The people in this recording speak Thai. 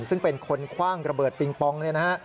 ซึ่งเป็นคนคว่างระเบิดปิงปองเนี่ยนะฮะ